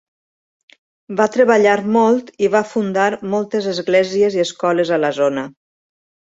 Va treballar molt i va fundar moltes esglésies i escoles a la zona.